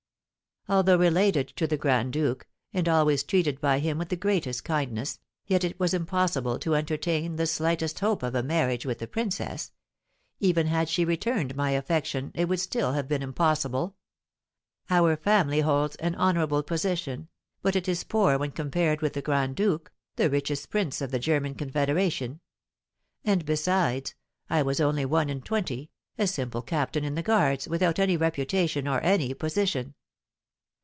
Although related to the grand duke, and always treated by him with the greatest kindness, yet it was impossible to entertain the slightest hope of a marriage with the princess; even had she returned my affection it would still have been impossible. Our family holds an honourable position, but it is poor when compared with the grand duke, the richest prince of the German confederation; and besides, I was only one and twenty, a simple captain in the guards, without any reputation or any position.